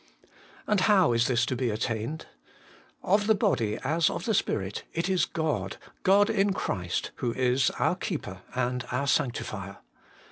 And how is this to be attained ? Of the body as of the spirit it is God, God in Christ, who is our Keeper and our Sanctifier.